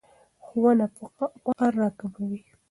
ښوونه فقر راکموي.